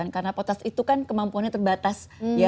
karena potas itu kan kemampuannya terbatas